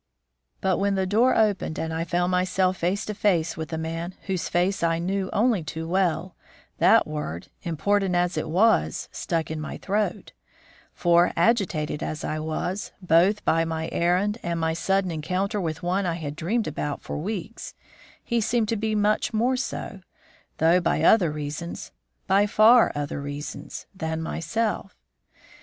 But when the door opened and I found myself face to face with the man whose face I knew only too well, that word, important as it was, stuck in my throat; for, agitated as I was, both by my errand and my sudden encounter with one I had dreamed about for weeks, he seemed to be much more so, though by other reasons by far other reasons than myself.